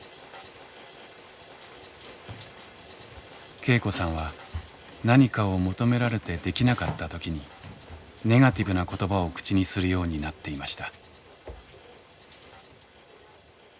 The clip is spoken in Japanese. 恵子さんは何かを求められてできなかった時にネガティブな言葉を口にするようになっていました。